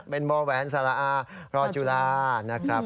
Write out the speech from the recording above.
เป็นบ่อแหวนสารอารอจุฬานะครับ